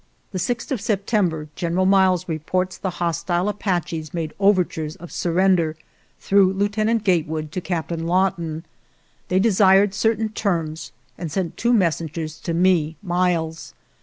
The 6th of September General Miles reports the hostile Apaches made overtures of surrender, through Lieutenant Gatewood, to Captain Lawton. They de sired certain terms and sent two messengers to me (Miles).